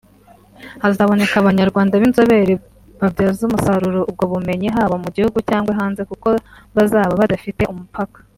Hazaboneka Abanyarwanda b’inzobere babyaza umusaruro ubwo bumenyi haba mu gihugu cyangwa hanze kuko bazaba badafite umupaka”